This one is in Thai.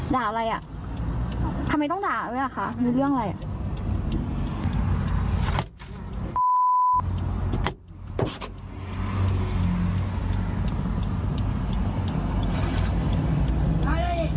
ด่าอะไรอ่ะทำไมต้องด่าด้วยอ่ะคะมีเรื่องอะไรอ่ะ